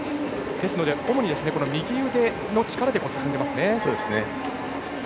ですので主に右腕の力で進んでいますね。